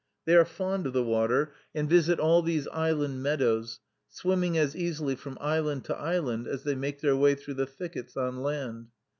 They are fond of the water, and visit all these island meadows, swimming as easily from island to island as they make their way through the thickets on land.